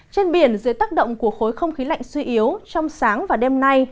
trên biển dưới tác động của khối không khí lạnh suy yếu trong sáng và đêm nay